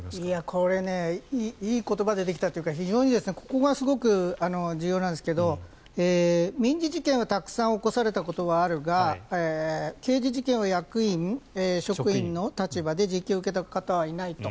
これね、いい言葉でできたというか非常にここがすごく重要なんですけど民事事件をたくさん起こされたことはあるが刑事事件は役員・職員の立場で実刑を受けた方はいないと。